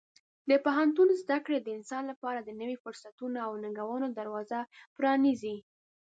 د پوهنتون زده کړې د انسان لپاره د نوي فرصتونو او ننګونو دروازه پرانیزي.